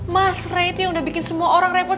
mas ray itu yang udah bikin semua orang repot